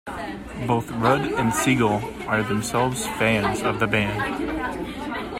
Both Rudd and Segel are themselves fans of the band.